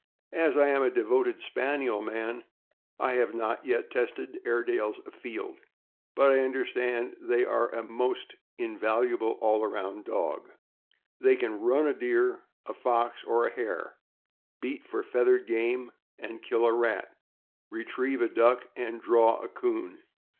As I am a devoted Spaniel man, I have not yet tested Airedales afield, but I understand that they are a most invaluable all around dog. They can "run" a deer, a fox, or a hare ; beat for feathered game, and kill a rat, retrieve a duck, and "draw" a 'coon.